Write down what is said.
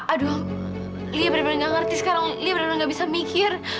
aduh lia bener bener gak ngerti sekarang li bener bener gak bisa mikir